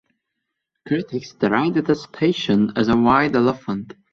Critics derided the station as a white elephant.